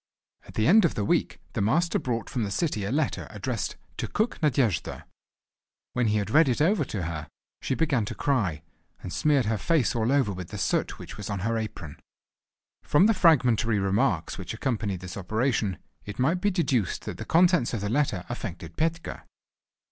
At the end of the week the Master brought from the city a letter addressed "to Cook Nadejda." When he had read it over to her she began to cry, and smeared her face all over with the soot which was on her apron. From the fragmentary remarks which accompanied this operation, it might be deduced that the contents of the letter affected Petka.